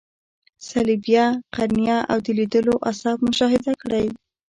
صلبیه، قرنیه او د لیدلو عصب مشاهده کړئ.